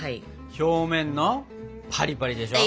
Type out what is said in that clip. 表面のパリパリでしょ！